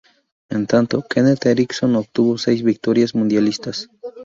En tanto, Kenneth Eriksson obtuvo seis victorias mundialistas.